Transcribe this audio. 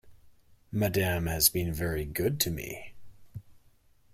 Madame had been very good to me.